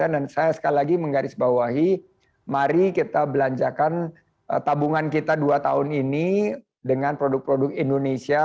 dan saya sekali lagi menggarisbawahi mari kita belanjakan tabungan kita dua tahun ini dengan produk produk indonesia